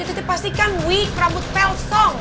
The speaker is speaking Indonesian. itu dipastikan week rambut pelsong